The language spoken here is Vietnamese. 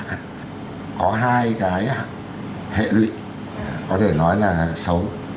có hai cái hệ lụy có thể nói là xấu